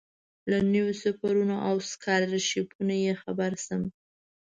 له نویو سفرونو او سکالرشیپونو یې خبر شم.